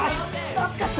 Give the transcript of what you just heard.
熱かった。